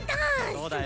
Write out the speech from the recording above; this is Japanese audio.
そうだよ。